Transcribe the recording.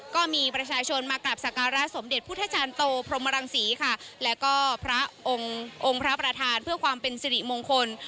ก็มีประชาชนมากราบสการะสมเด็จพุทธจารย์โตพรหมรังศรีค่ะแล้วก็พระองค์พระประธานเพื่อความเป็นสิริมงคล